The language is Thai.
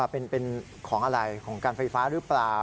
เป็นของอะไรของการไฟฟ้าหรือเปล่า